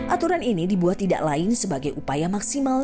aturan ini dibuat tidak lain sebagai upaya maksimal